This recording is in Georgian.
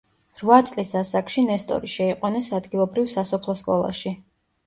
რვა წლის ასაკში ნესტორი შეიყვანეს ადგილობრივ სასოფლო სკოლაში.